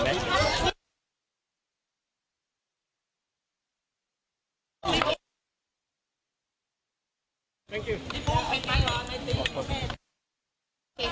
สามสอง